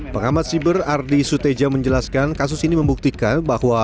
pengamat siber ardi suteja menjelaskan kasus ini membuktikan bahwa